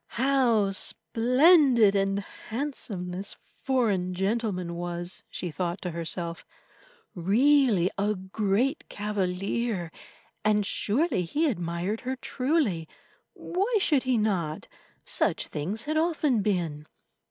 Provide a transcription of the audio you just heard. How splendid and handsome this foreign gentleman was, she thought to herself, really a great cavalier, and surely he admired her truly. Why should he not? Such things had often been.